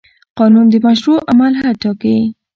قانون د مشروع عمل حد ټاکي.